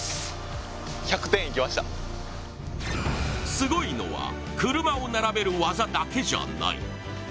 すごいのは車を並べる技だけじゃない。